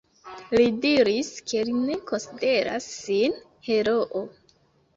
Li diris, ke li ne konsideras sin heroo.